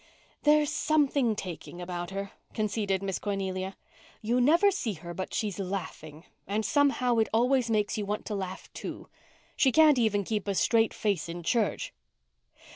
"There's something taking about her," conceded Miss Cornelia. "You never see her but she's laughing, and somehow it always makes you want to laugh too. She can't even keep a straight face in church.